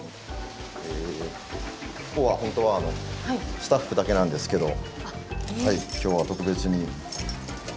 ここは本当はスタッフだけなんですけど今日は特別に。